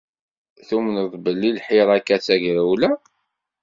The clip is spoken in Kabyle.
Tumneḍ belli "lḥirak"-a d tagrawla?